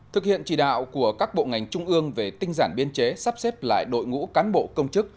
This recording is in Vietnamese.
thực hiện chỉ đạo của các bộ ngành trung ương về tinh giản biên chế sắp xếp lại đội ngũ cán bộ công chức